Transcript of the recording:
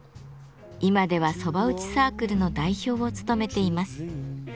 今では蕎麦打ちサークルの代表を務めています。